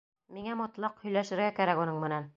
Миңә мотлаҡ һөйләшергә кәрәк уның менән.